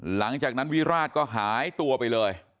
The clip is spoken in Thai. หลังจากนั้นวิราชก็หายตัวไปเลย